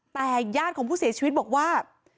แต่ญาติของผู้เสียชีวิตบอกว่า